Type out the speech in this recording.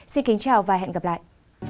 xin kính chào và hẹn gặp lại